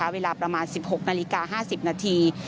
เวลาประมาณ๑๖นาฬิกา๕๐นาที